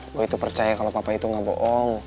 gue itu percaya kalau papa itu nggak bohong